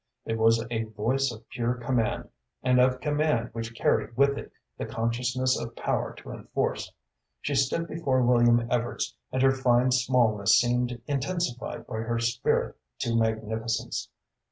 It was a voice of pure command, and of command which carried with it the consciousness of power to enforce. She stood before William Evarts, and her fine smallness seemed intensified by her spirit to magnificence.